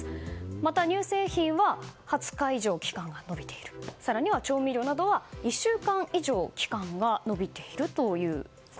また、乳製品は２０日以上期間が延びている更には調味料などは１週間以上期間が伸びていると。